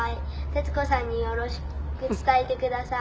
「徹子さんによろしく伝えてください」